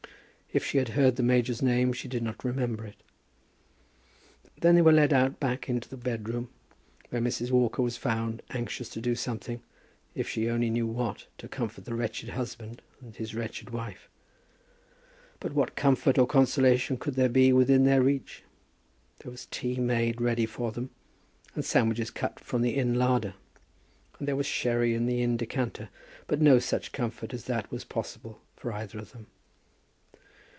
If she had heard the major's name she did not remember it. Then they were led out back into the bed room, where Mrs. Walker was found, anxious to do something, if she only knew what, to comfort the wretched husband and the wretched wife. But what comfort or consolation could there be within their reach? There was tea made ready for them, and sandwiches cut from the Inn larder. And there was sherry in the Inn decanter. But no such comfort as that was possible for either of them.